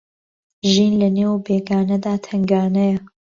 ژین لە نێو بێگانەدا تەنگانەیە